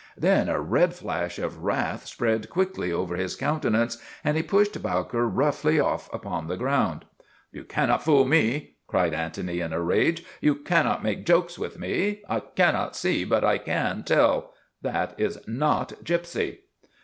Then a red flash of wrath spread quickly over his countenance and he pushed Bowker roughly off upon the ground. " You cannot fool me !" cried Antony in a rage. " You cannot make jokes with me. I cannot see, but I can tell. That is not Gypsy."